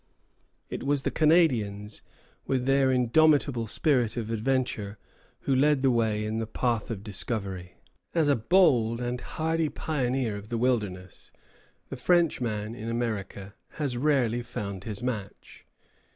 It was the Canadians, with their indomitable spirit of adventure, who led the way in the path of discovery. As a bold and hardy pioneer of the wilderness, the Frenchman in America has rarely found his match.